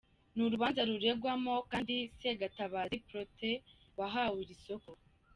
Ni urubanza ruregwamo kandi Segatabazi Protais wahawe iri soko.